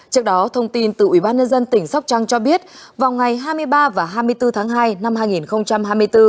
trước đó thông tin từ ủy ban nhân dân tỉnh sóc trăng cho biết vào ngày hai mươi ba và hai mươi bốn tháng hai năm hai nghìn hai mươi bốn